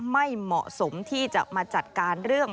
ไม่เหมาะสมที่จะมาจัดการเรื่อง